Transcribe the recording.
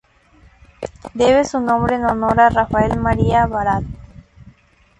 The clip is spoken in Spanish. Debe su nombre en honor a Rafael María Baralt.